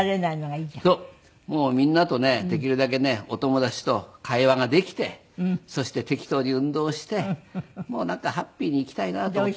もうみんなとねできるだけねお友達と会話ができてそして適当に運動をしてなんかハッピーに生きたいなと思っています。